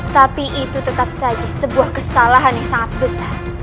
tapi itu tetap saja sebuah kesalahan yang sangat besar